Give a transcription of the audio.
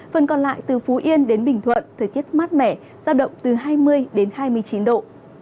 phần còn lại từ phú yên đến bình thuận thời tiết mát mẻ sao động từ hai mươi đến hai mươi chín độ